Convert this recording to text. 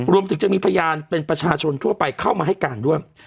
รวมถึงจะมีพยานเป็นประชาชนทั่วไปเข้ามาให้การด้วย